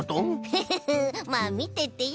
フフフまあみててよ！